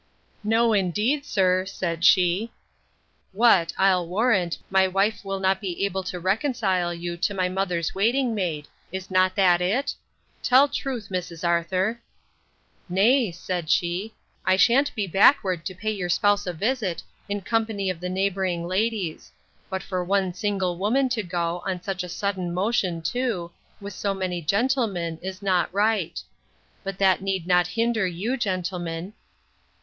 No, indeed, sir, said she. What, I'll warrant, my wife will not be able to reconcile you to my mother's waiting maid; is not that it? Tell truth, Mrs. Arthur. Nay, said she, I shan't be backward to pay your spouse a visit, in company of the neighbouring ladies; but for one single woman to go, on such a sudden motion too, with so many gentlemen, is not right. But that need not hinder you, gentlemen.